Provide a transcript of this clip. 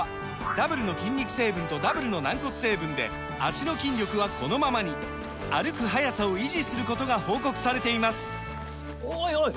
ダブルの筋肉成分とダブルの軟骨成分で脚の筋力はこのままに歩く速さを維持することが報告されていますおいおい！